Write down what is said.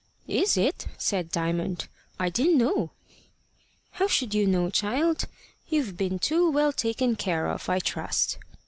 "Is it?" said Diamond. "I didn't know." "How should you know, child? You've been too well taken care of, I trust."